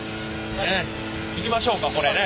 ねいきましょうかこれね。